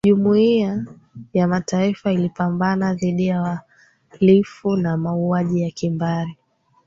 jumuiya ya mataifa ilipambana dhidi ya wahalifu wa mauaji ya kimbari